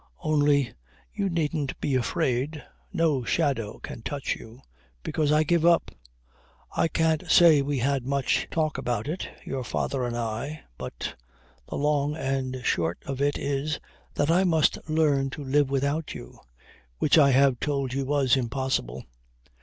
Only you needn't be afraid. No shadow can touch you because I give up. I can't say we had much talk about it, your father and I, but, the long and the short of it is, that I must learn to live without you which I have told you was impossible.